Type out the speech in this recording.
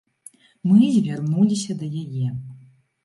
Мы звярнуліся да яе.